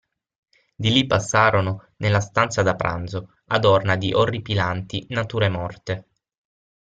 Di lì passarono nella stanza da pranzo adorna di orripilanti nature morte.